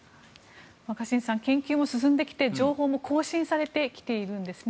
若新さん研究も進んできて情報も更新されてきているんですね。